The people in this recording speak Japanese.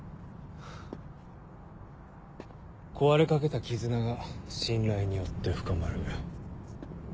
壊れかけた絆が信頼によって深まる。